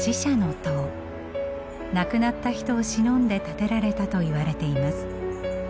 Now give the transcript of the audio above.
亡くなった人をしのんで建てられたといわれています。